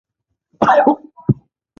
د خلکو دې کار ته زړه نه ښه کاوه.